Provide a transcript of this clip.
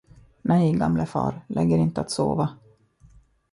Nej, gamlefar, lägg er inte att sova!